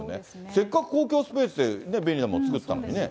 せっかく公共スペースって便利なもの作ったのにね。